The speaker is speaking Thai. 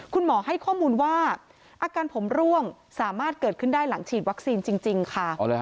คุณหมอให้ข้อมูลว่าอาการผมร่วงสามารถเกิดขึ้นได้หลังฉีดวัคซีนจริงค่ะ